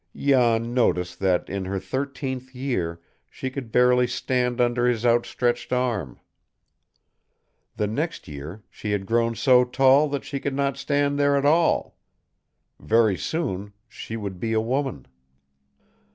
Jan noticed that in her thirteenth year she could barely stand under his outstretched arm. The next year she had grown so tall that she could not stand there at all. Very soon she would be a woman!